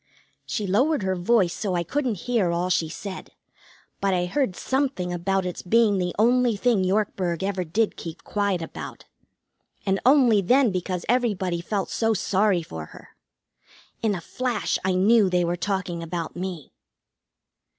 She lowered her voice so I couldn't hear all she said, but I heard something about its being the only thing Yorkburg ever did keep quiet about. And only then because everybody felt so sorry for her. In a flash I knew they were talking about me.